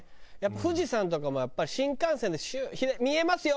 富士山とかもやっぱり新幹線で見えますよ！